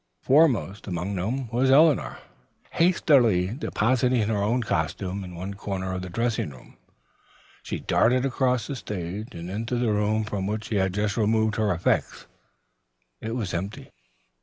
Foremost among them was Eleanor. Hastily depositing her own costumes in one corner of the dressing room, she darted across the stage and into the room from which she had just moved her effects. It was empty.